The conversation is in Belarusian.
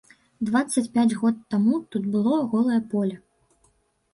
Дваццаць пяць год таму тут было голае поле.